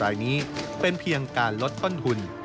รายพิมพ์นันทิการรายนี้เป็นเพียงการลดค่อนทุน